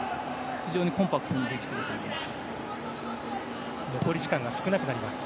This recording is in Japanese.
非常にコンパクトにできていると思います。